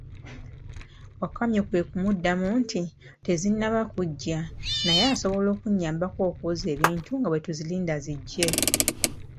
Wakamyu kwe kumuddamu nti, tezinnaba kuggya, naye osobola okunnyabako okwoza ebintu nga bwe tuzirinda ziggye.